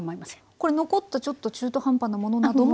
これ残ったちょっと中途半端なものなども。